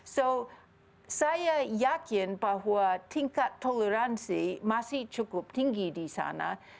jadi saya yakin bahwa tingkat toleransi masih cukup tinggi di sana